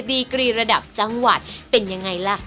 ดีกรีระดับจังหวัดเป็นยังไงล่ะ